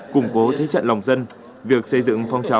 củng cố thế trận lòng dân